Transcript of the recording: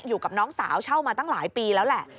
อยู่กับน้องสาวเช่ามาตั้งหลายปีแล้วแหละ